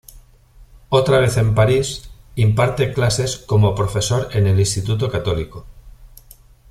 Otra vez en París, imparte clases como profesor en el Instituto Católico.